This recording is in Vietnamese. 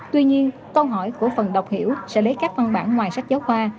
tuy nhiên câu hỏi của phần đọc hiểu sẽ lấy các văn bản ngoài sách giáo khoa